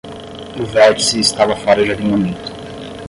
O vértice estava fora de alinhamento.